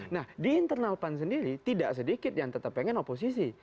nah di internal pan sendiri tidak sedikit yang tetap pengen oposisi